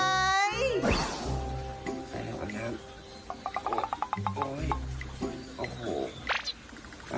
อันนี้วันน้ำ